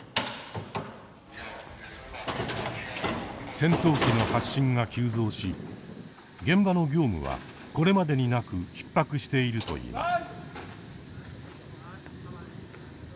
戦闘機の発進が急増し現場の業務はこれまでになく逼迫しているといいます。